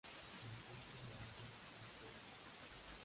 Se encuentra en el antiguo Campo de Marte.